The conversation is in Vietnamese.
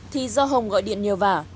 thì do hồng gọi điện nhiều vả